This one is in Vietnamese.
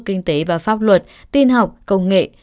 kinh tế và pháp luật tiên học công nghệ